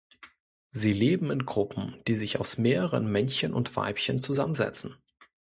Sie leben in Gruppen, die sich aus mehreren Männchen und Weibchen zusammensetzen.